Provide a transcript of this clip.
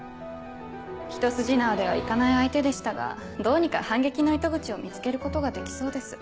一筋縄ではいかない相手でしたがどうにか反撃の糸口を見つけることができそうです。